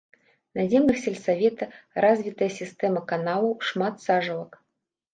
На землях сельсавета развітая сістэма каналаў, шмат сажалак.